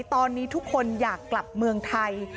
ตอนนี้ทุกคนอยากกลับเมืองไทย